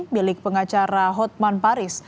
milik pengacara hotman paris